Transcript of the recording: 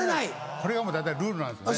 これがもう大体ルールなんですよね。